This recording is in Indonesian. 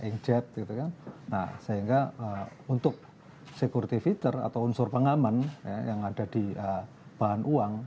nah sehingga untuk security feature atau unsur pengaman yang ada di bahan uang